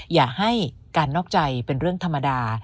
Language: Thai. อย่าให้การนอกใจเป็นเรื่องธรรมดา